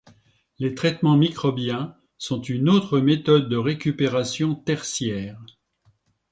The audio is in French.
Les traitements microbiens sont une autre méthode de récupération tertiaire.